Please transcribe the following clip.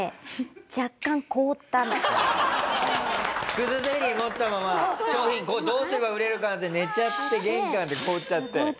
葛ゼリー持ったまま商品どうすれば売れるかなって寝ちゃって玄関で凍っちゃって。